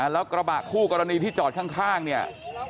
แล้วกระบะคู่กรณีที่จอดข้างเนี่ย